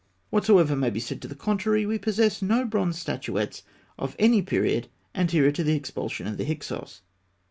Whatsoever may be said to the contrary, we possess no bronze statuettes of any period anterior to the expulsion of the Hyksos.